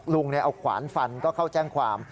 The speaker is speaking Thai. ลุงเอาขวานฟันก็เข้าแจ้งความ